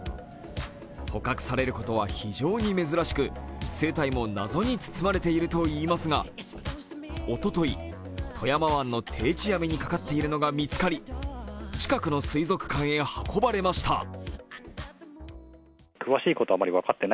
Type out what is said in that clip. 捕獲されることは非常に珍しく、生態も謎に包まれているといいますが、おととい、富山湾の定置網にかかっているのが見つかり近くの水族館へ運ばれました。